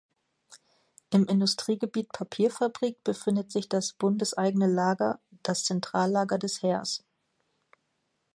Im Industriegebiet Papierfabrik befindet sich das "Bundeseigene Lager", das Zentrallager des Heers.